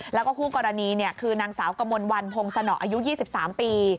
แล้วก็คู่กรณีคือนางสาวกมลวันพงศนออายุ๒๓ปี